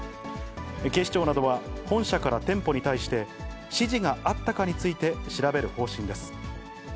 警視庁などは、本社から店舗に対して、指示があったかについて調べる方針です。